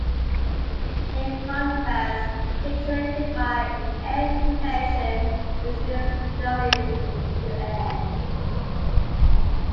In contrast, heat generated by an air-cooled engine is released directly into the air.